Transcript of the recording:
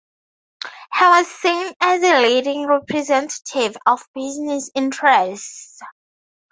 He was seen as a leading representative of business interests.